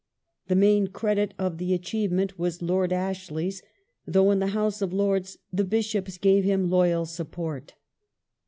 The main credit of the achievement was Lord [ Ashley's, though, in the House of Lords, the Bishops gave him loyal support.